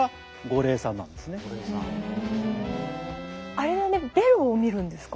あれはベロをみるんですか？